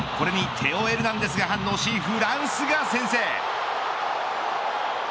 これにテオ・エルナンデズなんですが反応し、フランスが先制。